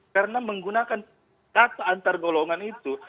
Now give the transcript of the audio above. karena menggunakan kata antar golongan itu